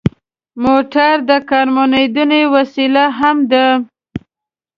موټر د کارموندنې وسیله هم ده.